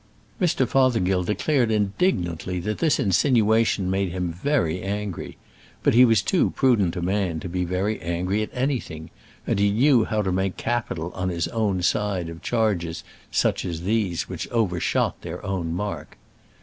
Mr. Fothergill declared indignantly that this insinuation made him very angry; but he was too prudent a man to be very angry at anything, and he knew how to make capital on his own side of charges such as these which overshot their own mark.